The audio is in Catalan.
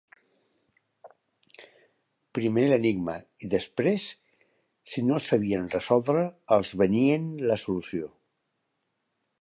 Primer l'enigma, i després, si no el sabien resoldre, els veníem la solució.